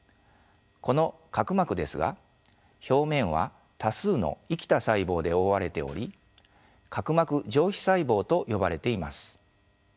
この角膜ですが表面は多数の生きた細胞で覆われており角膜上皮細胞と呼ばれています。